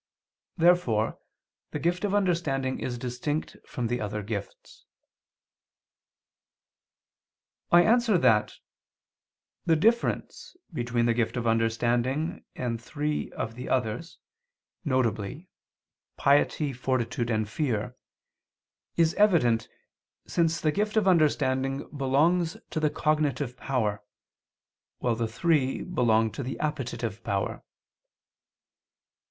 Therefore the gift of understanding is distinct from the other gifts. I answer that, The difference between the gift of understanding and three of the others, viz. piety, fortitude, and fear, is evident, since the gift of understanding belongs to the cognitive power, while the three belong to the appetitive power.